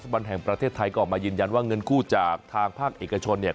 บอลแห่งประเทศไทยก็ออกมายืนยันว่าเงินกู้จากทางภาคเอกชนเนี่ย